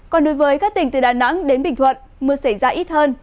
còn đối với các tỉnh từ đà nẵng đến bình thuận mưa xảy ra ít hơn